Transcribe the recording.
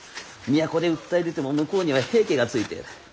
都で訴え出ても向こうには平家がついてる。